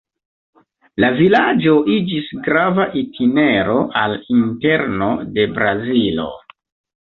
La vilaĝo iĝis grava itinero al interno de Brazilo.